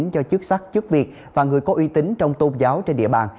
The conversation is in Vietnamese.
cho chức sắc chức việc và người có uy tín trong tôn giáo trên địa bàn